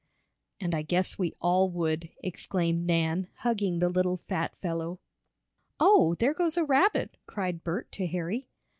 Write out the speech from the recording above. "And I guess we all would," exclaimed Nan, hugging the little fat fellow. "Oh, there goes a rabbit!" cried Bert to Harry.